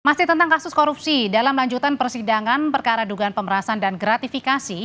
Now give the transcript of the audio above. masih tentang kasus korupsi dalam lanjutan persidangan perkara dugaan pemerasan dan gratifikasi